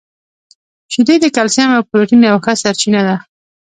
• شیدې د کلسیم او پروټین یوه ښه سرچینه ده.